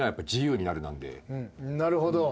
なるほど。